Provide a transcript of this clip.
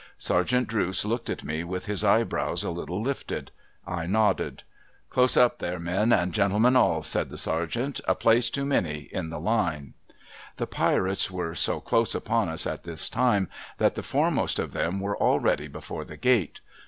Sergeant Drooce looked at me, with his eyebrows a litde lifted. I nodded. ' Close up here men, and gentlemen all !' said the Sergeant. ' A place too many, in the line.' 'I'he Pirates were so close upon us at this time, that the foremost of them were already before the gate.